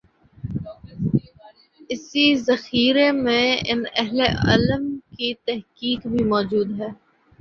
اسی ذخیرے میں ان اہل علم کی تحقیق بھی موجود ہے۔